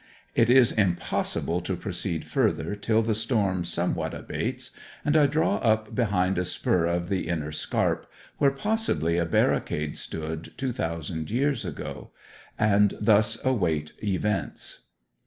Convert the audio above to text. It is impossible to proceed further till the storm somewhat abates, and I draw up behind a spur of the inner scarp, where possibly a barricade stood two thousand years ago; and thus await events.